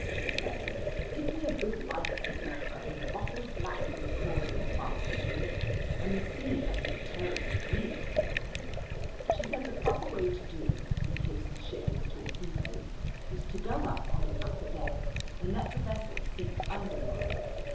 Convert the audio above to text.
she said. "Give me a good life preserver, with a bottle of blackberry cordial fastened to it, and the sea has no terrors for me." She said the proper way to do, in case the ship was torpedoed, was to go up on an upper deck, and let the vessel sink under one.